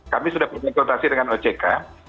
kami sudah berkonsultasi dengan ojk